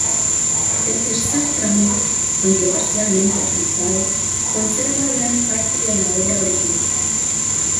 El tercer tramo, aunque parcialmente remozado, conserva gran parte de la obra original.